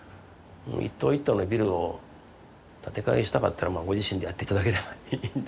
一棟一棟のビルを建て替えしたかったらご自身でやって頂ければいいんで。